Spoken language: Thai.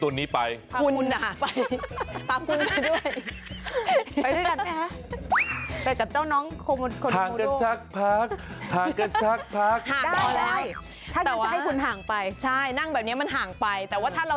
อ้อเดี๋ยววันหลังจะพาไปงานวัด